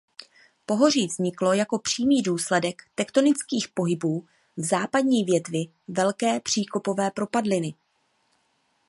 Pohoří vzniklo jako přímý důsledek tektonických pohybů v západní větvi Velké příkopové propadliny.